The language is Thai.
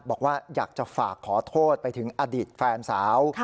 บอกว่าอยากจะฝากขอโทษไปถึงอดีตแฟนสาว